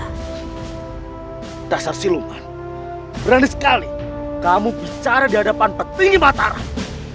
hai dasar siluman berani sekali kamu bicara di hadapan petinggi mataram